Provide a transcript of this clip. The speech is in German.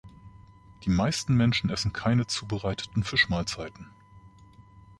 Die meisten Menschen essen keine zubereiteten Fischmahlzeiten.